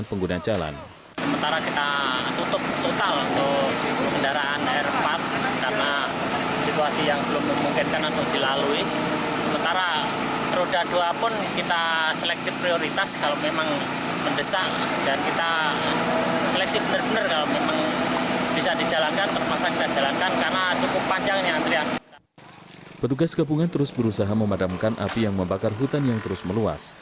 petugas kebungan terus berusaha memadamkan api yang membakar hutan yang terus meluas